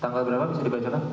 tanggal berapa bisa dibacakan